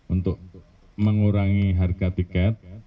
untuk mengurangi harga tiket